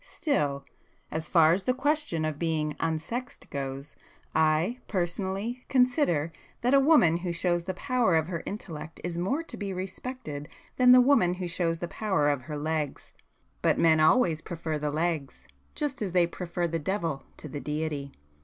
Still,—as far as the question of being 'unsexed' goes, I, personally, consider that a woman who shows the power of her intellect is more to be respected than the woman who shows the power of her legs. But men always prefer the legs,—just as they prefer the devil to the Deity.